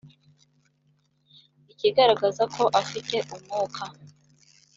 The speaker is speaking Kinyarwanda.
ikigaragaza ko afite umwuka